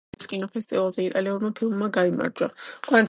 ბერლინის კინოფესტივალზე იტალიურმა ფილმმა გაიმარჯვა.